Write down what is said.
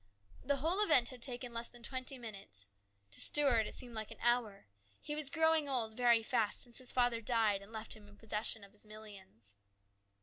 The whole event had taken less than twenty minutes. To Stuart it seemed like an hour. He was growing old very fast since his father died and left him in possession of his millions.